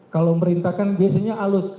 kalau merintahkan biasanya halus